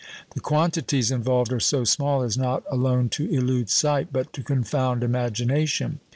The quantities involved are so small as not alone to elude sight, but to confound imagination.